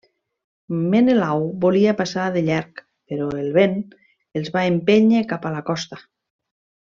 Menelau volia passar de llarg, però el vent els va empènyer cap a la costa.